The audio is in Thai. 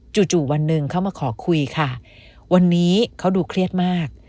จู่วันหนึ่งเขามาขอคุยค่ะวันนี้เขาดูเครียดมาก